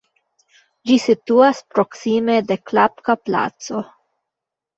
Ĝi situas proksime de Klapka-Placo.